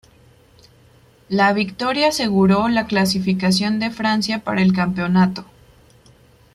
La victoria aseguró la clasificación de Francia para el campeonato.